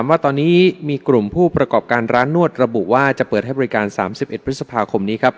ว่าตอนนี้มีกลุ่มผู้ประกอบการร้านนวดระบุว่าจะเปิดให้บริการ๓๑พฤษภาคมนี้ครับ